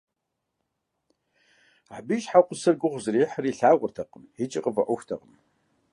Абы и щхьэгъусэр гугъу зэрехьыр илъагъуртэкъым икӏи къыфӏэӏуэхутэкъым.